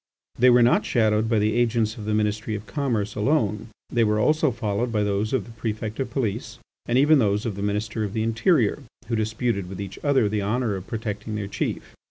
They were not shadowed by the agents of the Ministry of Commerce alone. They were also followed by those of the Prefect of Police, and even by those of the Minister of the Interior, who disputed with each other the honour of protecting their chief.